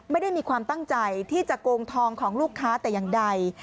ไม่ได้มีความตั้งใจที่จะโกงทองของลูกค้าแต่อย่างใด